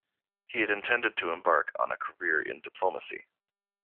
He had intended to embark on a career in diplomacy.